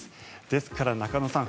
ですから、中野さん